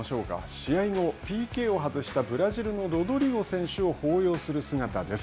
試合後、ＰＫを外したブラジルのロドリゴ選手を抱擁する姿です。